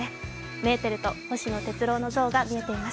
メーテルと星野鉄郎の像が見えています。